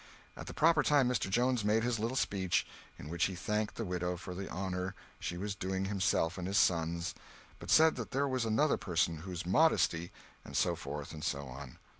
At the proper time Mr. Jones made his little speech, in which he thanked the widow for the honor she was doing himself and his sons, but said that there was another person whose modesty— And so forth and so on.